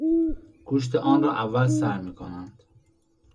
گوشت انرا اول سر میکنند